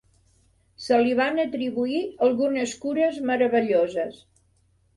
Se li van atribuir algunes cures meravelloses.